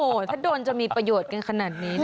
โอโหถ้าโดรนจะมีประโยชน์กันขนาดนี้